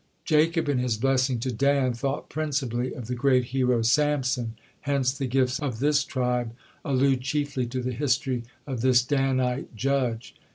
Jacob in his blessing to Dan thought principally of the great hero, Samson, hence the gifts of this tribe allude chiefly to the history of this Danite judge.